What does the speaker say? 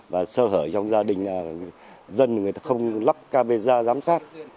và sơ hở trong gia đình dân người ta không lắp camisa giám sát